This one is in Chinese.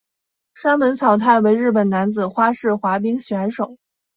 山本草太为日本男子花式滑冰选手。